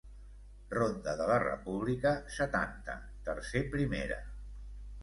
Ronda de la república, setanta, tercer primera.